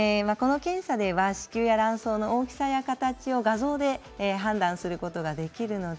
子宮や卵巣の大きさや形を画像で判断することができます。